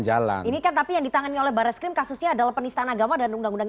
jalan ini tetapi yang ditangani oleh barreskrim kasusnya adalah penistan agama dan undang undang